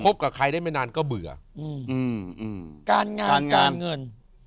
กับใครได้ไม่นานก็เบื่ออืมการงานการเงิน